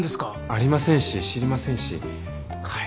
ありませんし知りませんし帰りたか。